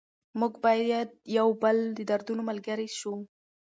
موږ باید د یو بل د دردونو ملګري شو.